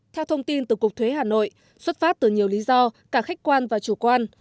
theo thông tin từ cục thuế hà nội xuất phát từ nhiều lý do cả khách quan và chủ quan